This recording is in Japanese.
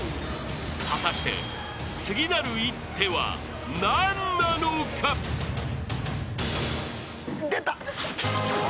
［果たして次なる一手は何なのか？］出た。